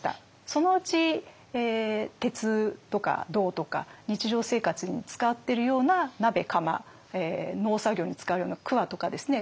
そのうち鉄とか銅とか日常生活に使ってるような鍋釜農作業に使うようなくわとかですね